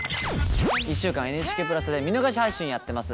１週間ＮＨＫプラスで見逃し配信やってます。